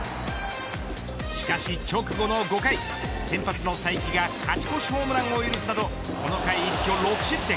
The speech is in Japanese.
しかし直後の５回先発の才木が勝ち越しホームランを許すなどこの回一挙６失点。